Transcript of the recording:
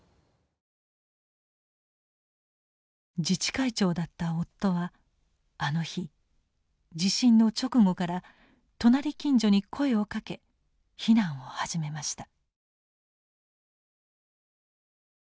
自治会長だった夫はあの日地震の直後から隣近所に声をかけ避難を始めました。